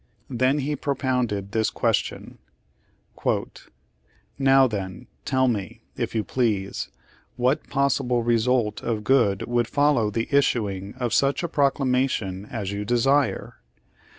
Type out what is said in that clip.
Then he propounded this question: "Now, then, tell me, if you please, what possible result of good would follow the issuing of such a proclamation as you desire?